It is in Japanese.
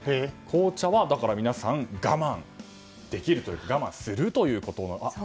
紅茶は皆さん我慢できるというか我慢するということです。